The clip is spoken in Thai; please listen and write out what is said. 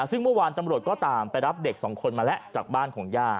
ซึ่งเมื่อวานตำรวจก็ตามไปรับเด็กสองคนมาแล้วจากบ้านของย่า